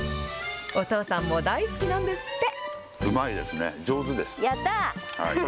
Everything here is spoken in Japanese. お父さんも大好きなんですって。